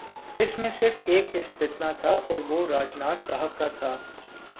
اس میں صرف ایک استثنا تھا اور وہ راج ناتھ صاحب کا تھا۔